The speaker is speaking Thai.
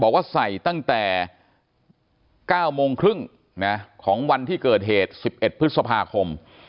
บอกว่าใส่ตั้งแต่๙โมงครึ่งของวันที่เกิดเหตุ๑๑พฤษภาคม